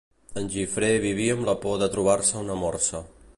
En Gifré vivia amb la por de trobar-se una morsa.